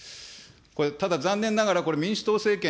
これただ残念ながら、これ、民主党政権、